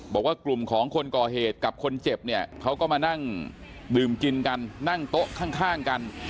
บอกว่ากลุ่มของคนก่อเหตุกับคนเจ็บเนี่ยเขาก็มานั่งดื่มกินกันนั่งโต๊ะข้างกัน